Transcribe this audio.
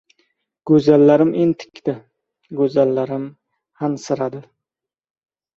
G‘o‘zalarim entikdi. G‘o‘zalarim hansiradi.